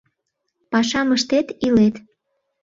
— Пашам ыштет, илет.